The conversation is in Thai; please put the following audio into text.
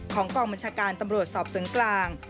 ของกองบัญชการตำรวจสอบเสริมกลาง